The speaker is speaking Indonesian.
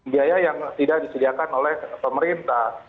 biaya yang tidak disediakan oleh pemerintah